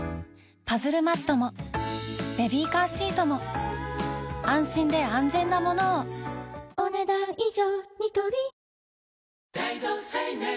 パズルマットもベビーカーシートも安心で安全なものをお、ねだん以上。